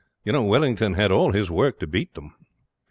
You know, Wellington had all his work to beat them."